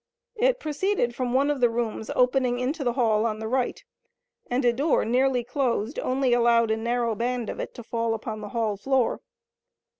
It proceeded from one of the rooms opening into the hall on the right, and a door nearly closed only allowed a narrow band of it to fall upon the hall floor.